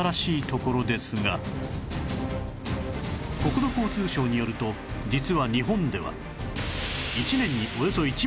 国土交通省によると実は日本では